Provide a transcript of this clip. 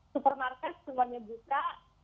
supermarket semuanya buka